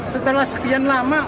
setelah sekian lama